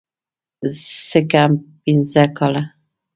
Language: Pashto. څه کم پينځه کاله.